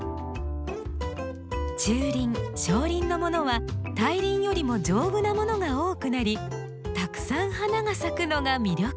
中輪小輪のものは大輪よりも丈夫なものが多くなりたくさん花が咲くのが魅力。